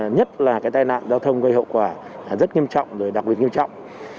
nhất là cái tai nạn giao thông gây hậu quả rất nghiêm trọng đặc biệt nghiêm trọng